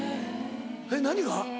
えっ何が？